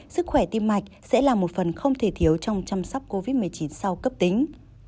sức khỏe tim mạch sẽ là một phần không thể thiếu trong chăm sóc covid một mươi chín sau cấp tính